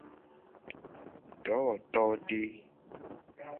Dowotode.